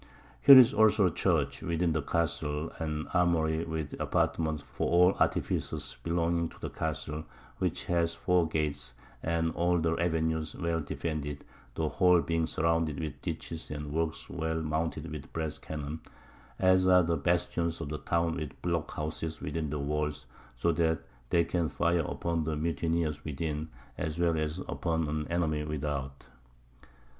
Here is also a Church within the Castle, and an Armory with Apartments for all the Artificers belonging to the Castle, which has 4 Gates, and all the Avenues well defended, the whole being surrounded with Ditches and the Works well mounted with Brass Cannon, as are the Bastions of the Town with Block houses within the Walls, so that they can fire upon Mutineers within, as well as upon an Enemy without.